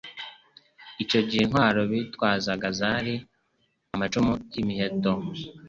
Icyo gihe intwaro bitwazaga zari, amacumu, imiheto,